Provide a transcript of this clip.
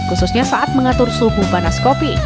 khususnya saat mengatur suhu panas kopi